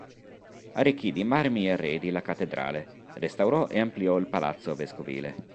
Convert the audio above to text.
Arricchì di marmi e arredi la cattedrale; restaurò e ampliò il palazzo vescovile.